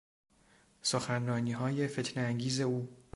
سخنرانیهای فتنهانگیز او